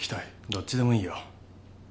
どっちでもいいよ。